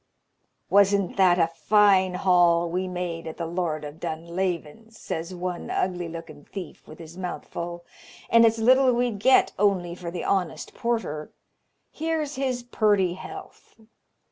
"Wasn't that a fine haul we made at the Lord of Dunlavin's?" says one ugly looking thief with his mouth full, "and it's little we'd get only for the honest porter! here's his purty health!"